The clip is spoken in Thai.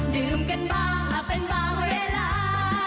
ดื่มกันบ้างหากเป็นบ้างเวลา